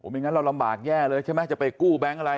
ไม่งั้นเราลำบากแย่เลยใช่ไหมจะไปกู้แบงค์อะไร